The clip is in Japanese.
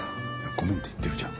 ごめんって言ってるじゃん。